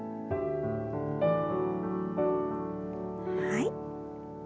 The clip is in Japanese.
はい。